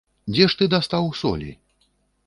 Дзе ж ты дастаў солі?